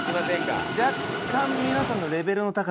若干。